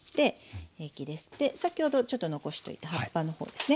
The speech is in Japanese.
で先ほどちょっと残しておいた葉っぱの方ですね。